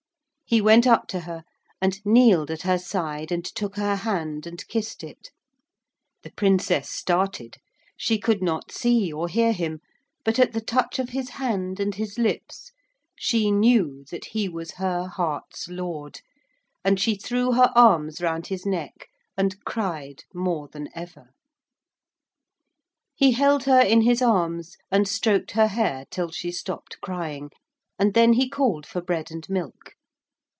He went up to her and kneeled at her side and took her hand and kissed it. The Princess started. She could not see or hear him, but at the touch of his hand and his lips she knew that he was her heart's lord, and she threw her arms round his neck, and cried more than ever. He held her in his arms and stroked her hair till she stopped crying, and then he called for bread and milk.